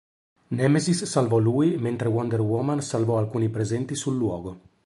Nemesis salvò lui, mentre Wonder Woman salvò alcuni presenti sul luogo.